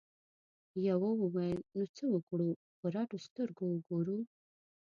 یوه وویل نو څه وکړو په رډو سترګو وګورو؟